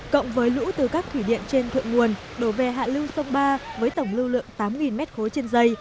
cộng với lũ từ các thủy điện trên thượng nguồn đổ về hạ lưu sông ba với tổng lưu lượng tám m ba trên dây